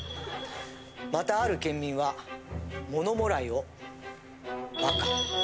またある県民はものもらいをバカ。